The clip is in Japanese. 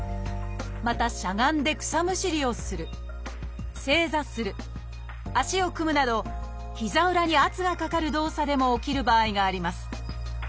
またしゃがんで草むしりをする正座する足を組むなど膝裏に圧がかかる動作でも起きる場合があります。